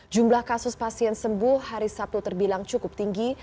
jumlah kasus pasien sembuh hari sabtu terbilang cukup tinggi